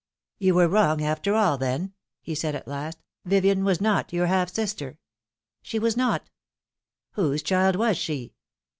" You were wrong after all, then," he said at last ;" Vivien was not your half sister ?"'' She was not." " Whose child was she